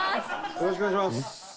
よろしくお願いします。